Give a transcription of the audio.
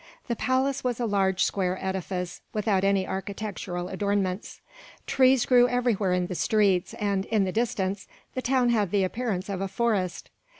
The palace was a large square edifice, without any architectural adornments. Trees grew everywhere in the streets and, in the distance, the town had the appearance of a forest.